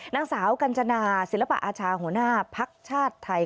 นางสาวกัญจนาศิลปะอาชาหัวหน้าภักดิ์ชาติไทย